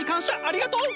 ありがとう！